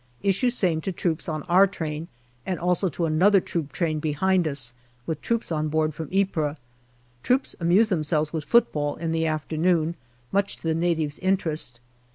Issue same to troops on our train and also to another troop train behind us, with troops on board from Ypres. Troops amuse themselves with football in the after noon, much to the natives' interest.